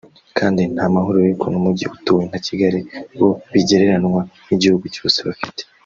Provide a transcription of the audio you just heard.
kandi nta n’amahuriro y’ukuntu umujyi utuwe nka Kigali bo bigereranywa n’igihugu cyose bafite